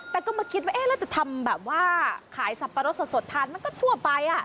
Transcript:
แต่ก็มาคิดว่าเอ๊ะแล้วจะทำแบบว่าขายสับปะรดสดทานมันก็ทั่วไป